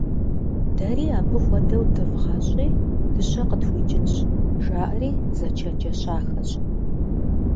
«Дэри абы хуэдэу дывгъащӀи дыщэ къытхуикӀынщ» - жаӀэри зэчэнджэщахэщ.